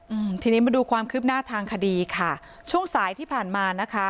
อืมทีนี้มาดูความคืบหน้าทางคดีค่ะช่วงสายที่ผ่านมานะคะ